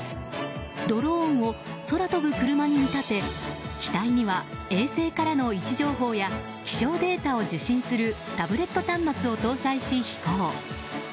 ドローンを空飛ぶクルマに見立て機体には衛星からの位置情報や気象データを受信するタブレット端末を搭載し、飛行。